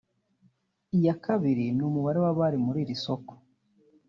iya kabiri ni umubare w’abari muri iri soko